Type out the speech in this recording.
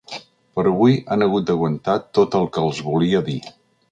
Però avui han hagut d’aguantar tot el que els volia dir.